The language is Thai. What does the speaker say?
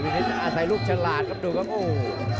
นิดอาศัยลูกฉลาดครับดูครับโอ้โห